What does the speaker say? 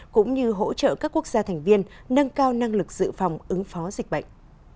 cũng như hỗ trợ các quốc gia thành viên nâng cao năng lực dự phòng ứng phó dịch bệnh